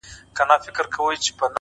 چي ته نه يې زما په ژونــــد كــــــي؛